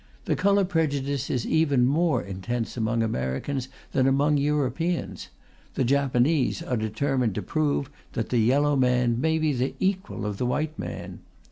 The colour prejudice is even more intense among Americans than among Europeans; the Japanese are determined to prove that the yellow man may be the equal of the white man.